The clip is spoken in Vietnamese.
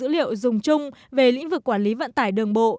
liệu dùng chung về lĩnh vực quản lý vận tải đường bộ